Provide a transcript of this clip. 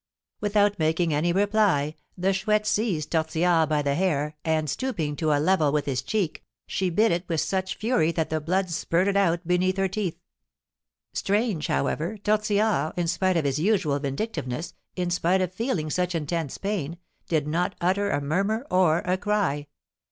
Without making any reply, the Chouette seized Tortillard by the hair, and, stooping to a level with his cheek, she bit it with such fury that the blood spurted out beneath her teeth. Strange, however, Tortillard, in spite of his usual vindictiveness, in spite of feeling such intense pain, did not utter a murmur or a cry.